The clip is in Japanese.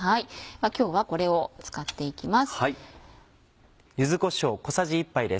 今日はこれを使っていきます。